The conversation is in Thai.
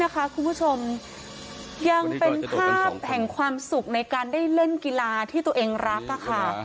คุณผู้ชมยังเป็นภาพแห่งความสุขในการได้เล่นกีฬาที่ตัวเองรักค่ะ